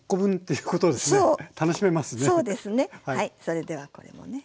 それではこれもね